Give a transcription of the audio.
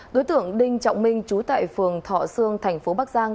đối tượng đinh trọng minh trú tại phường thọ sương thành phố bắc giang